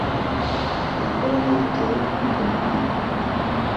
n’imbaraga bitewe no kwiga Bibiliya.